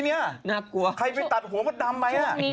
ทำไมหัวหัวดดำไปรอยอยู่เมื่อกี้เนี่ย